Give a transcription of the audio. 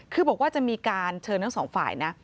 คือบอกว่าจะมีการเชิญทั้งสองฝ่ายนะ